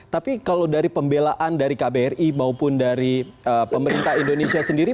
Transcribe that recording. tapi kalau dari pembelaan dari kbri maupun dari pemerintah indonesia sendiri